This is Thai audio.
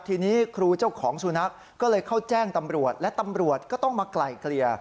ทีนี้ครูเจ้าของสุนัขก็เลยเข้าแจ้งตำรวจและตำรวจก็ต้องมาไกลเกลี่ย